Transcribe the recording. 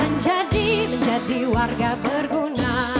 menjadi benjadi warga berguna